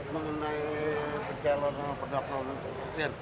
mengenai penyalon penyelam rt